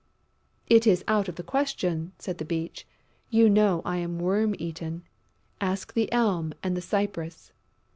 "It is out of the question," said the Beech. "You know I am worm eaten! Ask the Elm and the Cypress."